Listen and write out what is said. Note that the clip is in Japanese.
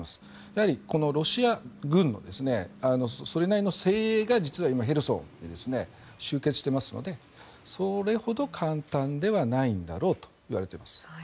やはりこのロシア軍のそれなりの精鋭が実は今ヘルソンに集結していますのでそれほど簡単ではないんだろうと言われています。